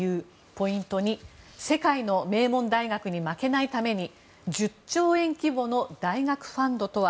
ポイント２世界の名門大学に負けないために１０兆円規模の大学ファンドとは。